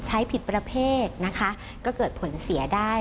ผิดประเภทนะคะก็เกิดผลเสียได้